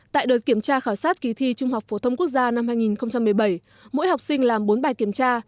tại đợt kiểm tra khảo sát kỳ thi trung học phổ thông quốc gia năm hai nghìn một mươi bảy mỗi học sinh làm bốn bài kiểm tra